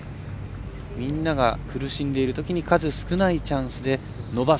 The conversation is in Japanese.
みんなが苦しんでいるときに数少ないチャンスで伸ばす。